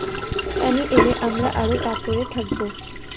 আমি এলে আমরা আরো পাপরে থাকব।